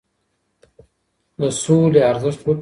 د سولي ارزښت وپیرژنئ.